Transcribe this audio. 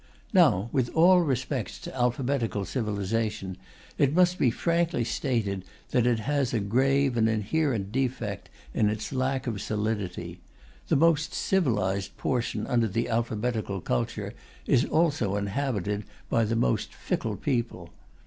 Now, with all respects to alphabetical civilization, it must be frankly stated that it has a grave and inherent defect in its lack of solidity. The most civilized portion under the alphabetical culture is also inhabited by the most fickled people.